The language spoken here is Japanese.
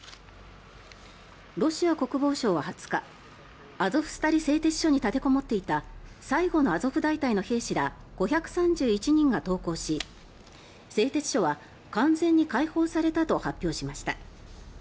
ロシア国防省は２０日アゾフスタリ製鉄所に立てこもっていた最後のアゾフ大隊の兵士ら５３１人が投降し製鉄所は完全に解放されたと発表しました。